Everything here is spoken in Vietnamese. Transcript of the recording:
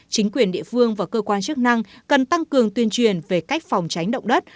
chính quyền địa phương và cơ quan chức năng cần tăng cường tuyên truyền về cách phòng tránh động đất